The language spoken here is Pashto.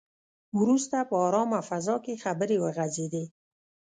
وروسته په ارامه فضا کې خبرې وغځېدې.